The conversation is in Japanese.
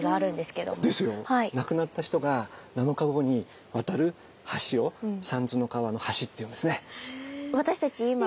亡くなった人が７日後に渡る橋を「三途の川の橋」って言うんですね。